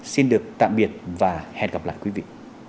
xin được tạm biệt và hẹn gặp lại quý vị